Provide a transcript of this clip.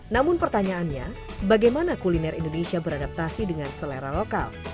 namun pertanyaannya bagaimana kuliner indonesia beradaptasi dengan selera lokal